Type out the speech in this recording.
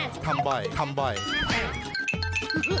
สวัสดีครับมาเจอกับแฟแล้วนะครับ